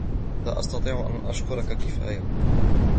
لا أستطيع أن أشكركَ كفاية.